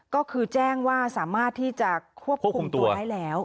ก็คือแจ้งว่าสามารถที่จะควบคุมตัวได้แล้ว